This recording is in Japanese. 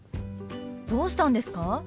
どうしたんですか？